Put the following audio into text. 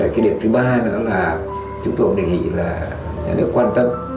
cái điểm thứ ba nữa là chúng tôi đề nghị là nhà nước quan tâm